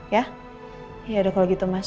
ya yaudah kalau gitu mas